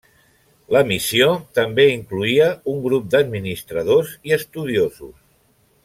La missió també incloïa un grup d'administradors i estudiosos.